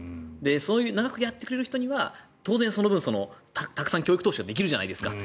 そういう長くやってくれる人には当然その分たくさん教育投資ができるじゃないですか。